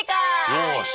よし！